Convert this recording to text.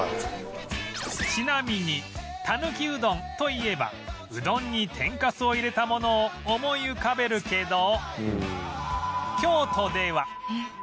ちなみにたぬきうどんといえばうどんに天かすを入れたものを思い浮かべるけど